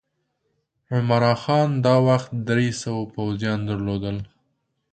عمرا خان دا وخت درې سوه پوځیان درلودل.